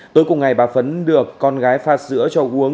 tối cùng ngày bà phấn được con gái pha sữa cho uống